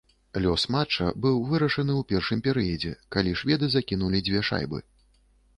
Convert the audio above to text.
Лёс матча быў вырашаны ў першым перыядзе, калі шведы закінулі дзве шайбы.